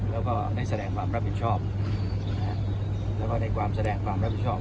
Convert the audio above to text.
แล้วก็ได้แสดงความรับผิดชอบแล้วก็ในความแสดงความรับผิดชอบ